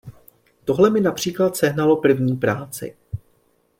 Tohle mi například sehnalo první práci.